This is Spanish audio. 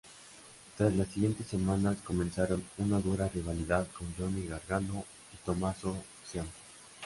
Tras las siguientes semanas, comenzaron una dura rivalidad con Johnny Gargano y Tommaso Ciampa.